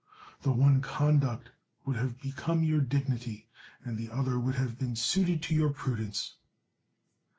The one conduct would have become your dignity, and the other would have been suited to your pru dence."